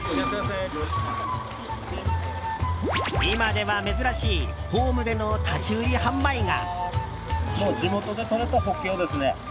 今では珍しいホームでの立ち売り販売が。